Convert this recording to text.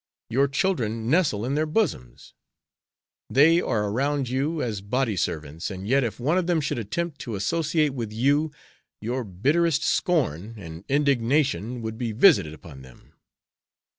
Your children nestle in their bosoms; they are around you as body servants, and yet if one of them should attempt to associate with you your bitterest scorn and indignation would be visited upon them."